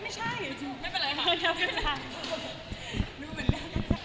ไม่ใช่ไม่เป็นไรค่ะ